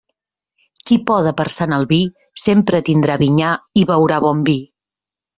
Qui poda per Sant Albí sempre tindrà vinyar i beurà bon vi.